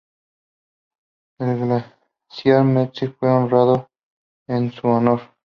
El glaciar Mertz fue nombrado en su honor.